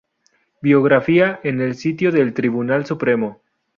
Biografía en el Sitio del Tribunal Supremo